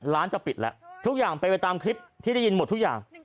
จะปิดแล้วทุกอย่างเป็นไปตามคลิปที่ได้ยินหมดทุกอย่าง